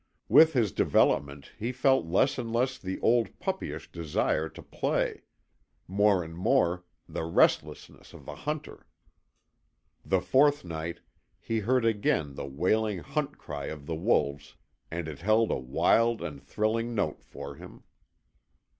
With his development he felt less and less the old puppyish desire to play more and more the restlessness of the hunter. The fourth night he heard again the wailing hunt cry of the wolves, and it held a wild and thrilling note for him.